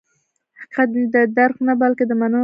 حقیقت د درک نه، بلکې د منلو ثمره ده.